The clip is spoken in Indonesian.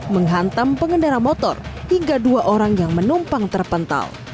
menghantam pengendara motor hingga dua orang yang menumpang terpental